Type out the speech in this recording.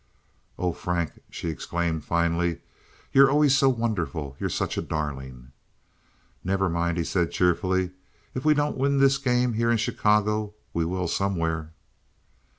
"Oh, Frank," she exclaimed, finally, "you're always so wonderful. You're such a darling." "Never mind," he said, cheerfully. "If we don't win this game here in Chicago, we will somewhere."